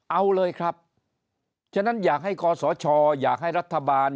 เอาเลยครับฉะนั้นอยากให้กศชอยากให้รัฐบาล